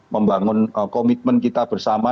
membangun komitmen kita bersama